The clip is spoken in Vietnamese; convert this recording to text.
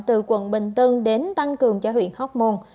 từ quận bình tân đến tăng cường cho huyện hóc môn